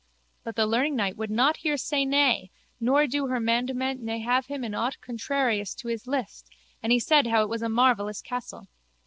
But the learningknight would not hear say nay nor do her mandement ne have him in aught contrarious to his list and he said how it was a marvellous castle.